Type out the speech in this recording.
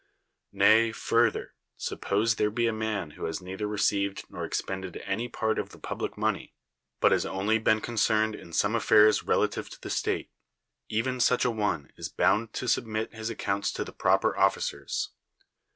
Nay, further: suppose there be a man who has neither received nor expended any part of the public money, but has only been concerned in some affairs relative to the state, even such a one is bound to submit his accounts to the proper officers.